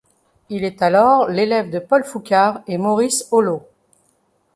Il est alors l'élève de Paul Foucart et Maurice Holleaux.